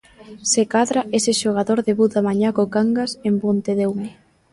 Se cadra ese xogador debuta mañá co Cangas en Pontedeume.